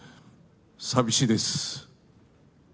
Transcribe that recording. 寂しいです。